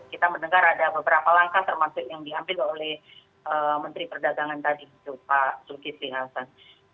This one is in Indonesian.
kita mendengar ada beberapa langkah termasuk yang diambil oleh menteri perdagangan tadi pak zulkifli hasan